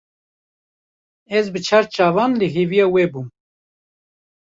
Ez bi çar çavan li hêviya wê bûm.